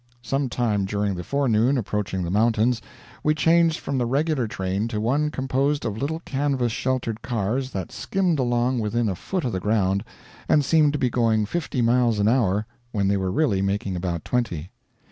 Some time during the forenoon, approaching the mountains, we changed from the regular train to one composed of little canvas sheltered cars that skimmed along within a foot of the ground and seemed to be going fifty miles an hour when they were really making about twenty.